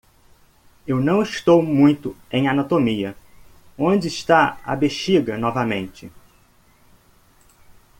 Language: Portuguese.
Eu não estou muito em anatomia? onde está a bexiga novamente?